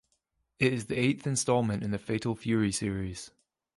It is the eighth installment in the "Fatal Fury" series.